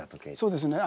そうですね。